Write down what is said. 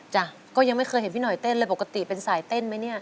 จ้ะก็ยังไม่เคยเห็นพี่หน่อยเต้นเลยปกติเป็นสายเต้นไหมเนี่ย